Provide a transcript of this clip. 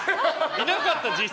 いなかった実際！